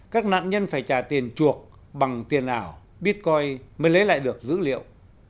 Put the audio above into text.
các nạn nhân phải trả tiền chuộc bằng tiền ảo bitcoin mới lấy lại được dữ liệu